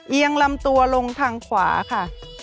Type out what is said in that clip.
เอียงลำตัวลงทางขวาค่ะ